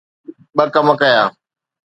”ٻه ڪم ڪيا.